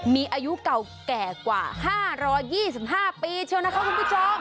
มีอายุเก่าแก่กว่า๕๒๕ปีเชียวนะคะคุณผู้ชม